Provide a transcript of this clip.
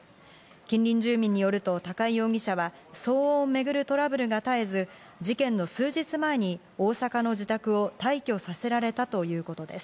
近隣住民によると、高井容疑者は騒音をめぐるトラブルが絶えず、事件の数日前に大阪の自宅を退去させられたということです。